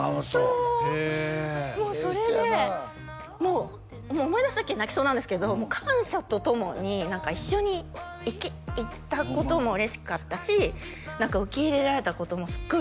そうもうそれでもう思い出しただけで泣きそうなんですけど感謝とともに一緒に行ったことも嬉しかったし何か受け入れられたこともすごい